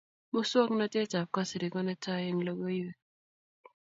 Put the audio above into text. muswognatet ab kasri ko netai eng' logoiwek